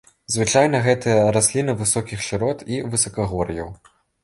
Звычайна гэта расліны высокіх шырот і высакагор'яў.